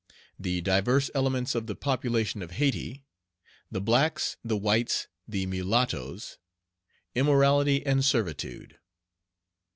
The diverse elements of the population of Hayti The blacks, the whites, the mulattoes; immorality and servitude.